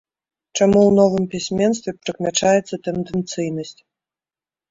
Чаму ў новым пісьменстве прыкмячаецца тэндэнцыйнасць?